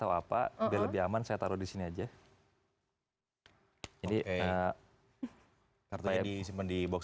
tahu apa lebih aman saya taruh di sini aja ini karena tapi ini simpan di box